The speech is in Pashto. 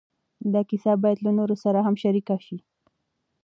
دا کیسه باید له نورو سره هم شریکه شي.